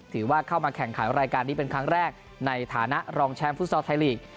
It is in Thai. ถือว่าเข้ามาแข่งขันรายการนี้เป็นครั้งแรกในฐานะรองแชมป์ฟุตซอลไทยลีก